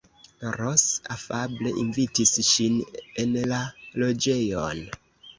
Ros afable invitis ŝin en la loĝejon.